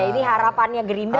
ini harapannya gerindra